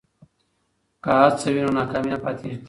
که هڅه وي نو ناکامي نه پاتې کېږي.